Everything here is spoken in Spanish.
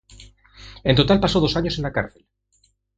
En total pasó dos años en la cárcel.